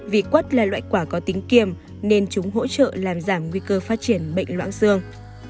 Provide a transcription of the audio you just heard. vì quất là loại quả có tính kiềm nên chúng hỗ trợ làm giảm nguy cơ phát triển bệnh loãng xương